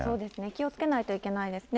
気をつけないといけないですね。